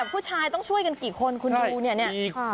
ผู้ชายต้องช่วยกันกี่คน